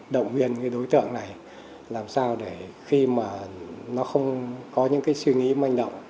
động viên đối tượng này làm sao để khi mà nó không có những suy nghĩ manh động